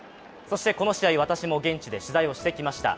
そしてこの試合、私も現地で取材してきました。